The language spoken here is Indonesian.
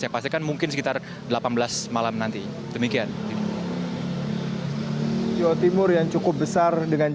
saya pastikan mungkin sekitar delapan belas malam nanti demikian jawa timur yang cukup besar dengan